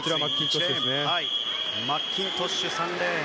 マッキントッシュ３レーン。